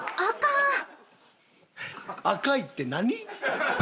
赤いって何？